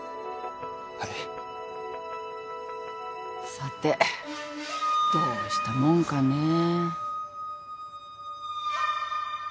さてどうしたもんかねぇ。